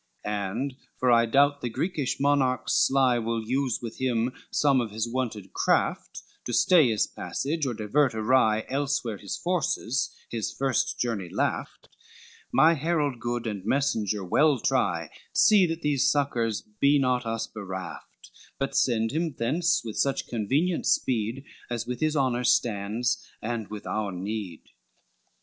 LXIX "And for I doubt the Greekish monarch sly Will use with him some of his wonted craft, To stay his passage, or divert awry Elsewhere his forces, his first journey laft, My herald good and messenger well try, See that these succors be not us beraft, But send him thence with such convenient speed As with his honor stands and with our need.